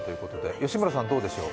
吉村さん、どうでしょう？